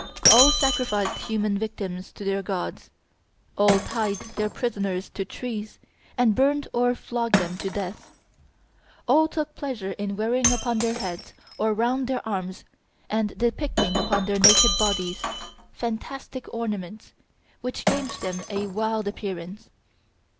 All sacrificed human victims to their gods; all tied their prisoners to trees, and burned or flogged them to death; all took pleasure in wearing upon their heads or round their arms, and depicting upon their naked bodies, fantastic ornaments, which gave them a wild appearance.